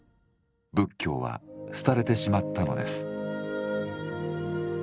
仏教は廃れてしまったのです。